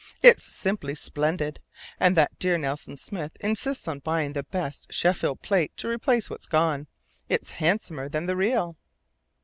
It's simply splendid. And that dear Nelson Smith insists on buying the best Sheffield plate to replace what's gone. It's handsomer than the real!"